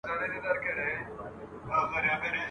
چي کسات د ملالیو راته واخلي ..